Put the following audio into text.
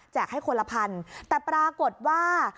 ให้คนละพันแต่ปรากฏว่า